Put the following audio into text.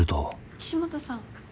岸本さん。